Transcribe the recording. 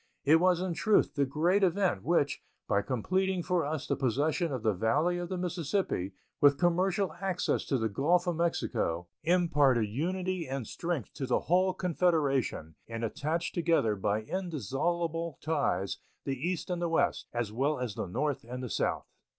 It was in truth the great event which, by completing for us the possession of the Valley of the Mississippi, with commercial access to the Gulf of Mexico, imparted unity and strength to the whole Confederation and attached together by indissoluble ties the East and the West, as well as the North and the South.